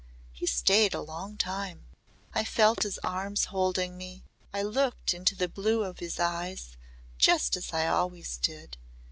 He stayed a long time. I felt his arms holding me. I looked into the blue of his eyes just as I always did.